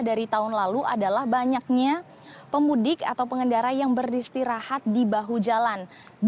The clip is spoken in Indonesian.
dari tahun lalu adalah banyaknya pemudik atau pengendara yang beristirahat di bahu jalan